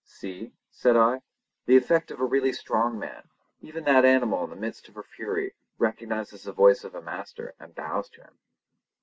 "See!" said I, "the effect of a really strong man. Even that animal in the midst of her fury recognises the voice of a master, and bows to him!"